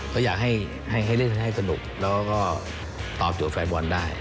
ก็อยากให้เล่นให้สนุกแล้วก็ตอบโจทย์แฟนบอลได้